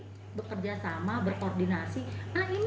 tapi bekerja sama berkoordinasi